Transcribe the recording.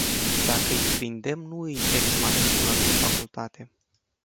Dacă îi prindem nu îi exmatriculăm din facultate.